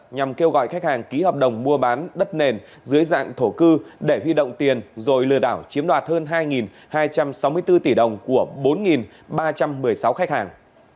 nhằm kêu gọi khách hàng ký hợp đồng mua bán đất nền dưới dạng thổ cư để huy động tiền rồi lừa đảo chiếm đoạt hơn hai hai trăm sáu mươi bốn tỷ đồng của bốn ba trăm một mươi sáu khách hàng